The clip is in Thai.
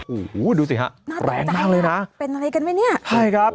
โอ้โฮดูสิฮะแรงมากเลยนะเป็นอะไรกันไหมเนี่ยโอ้โฮ